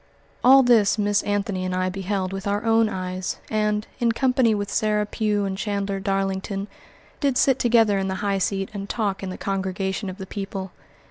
All this Miss Anthony and I beheld with our own eyes, and, in company with Sarah Pugh and Chandler Darlington, did sit together in the high seat and talk in the congregation of the people.